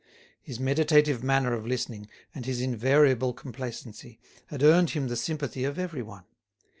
His meditative manner of listening, and his invariable complacency, had earned him the sympathy of everyone.